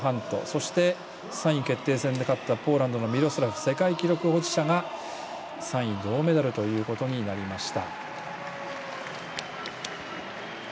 そして、３位決定戦で勝ったポーランドのミロスラフ世界記録保持者が３位、銅メダルということになりました。